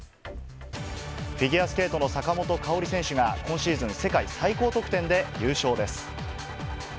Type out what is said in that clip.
フィギュアスケートの坂本花織選手が、今シーズン世界最高得点で優勝です。